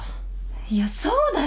いやそうだよ。